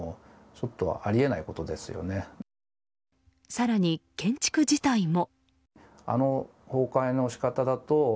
更に建築自体も。